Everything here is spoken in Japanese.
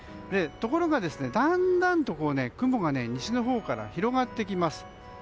ところが、だんだんと雲が西のほうから広がってきます。